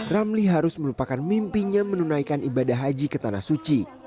ramli harus melupakan mimpinya menunaikan ibadah haji ke tanah suci